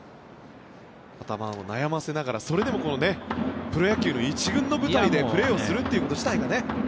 頭を悩ませながらそれでもプロ野球の１軍の舞台でプレーをするということ自体がね。